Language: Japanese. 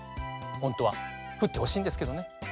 ほんとはふってほしいんですけどね。